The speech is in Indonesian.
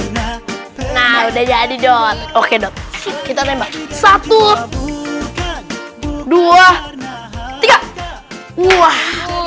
nah udah jadi jodh oke kita lembah satu ratus dua puluh tiga